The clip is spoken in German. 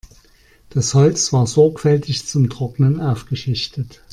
Das Holz war sorgfältig zum Trocknen aufgeschichtet.